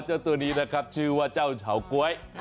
เจ้าตัวนี้นะครับชื่อว่าเจ้าเฉาก๊วย